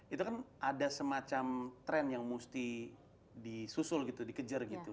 itu kan ada semacam tren yang mesti disusul gitu dikejar gitu